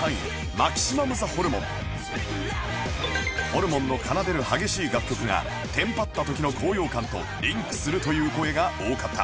ホルモンの奏でる激しい楽曲がテンパった時の高揚感とリンクするという声が多かった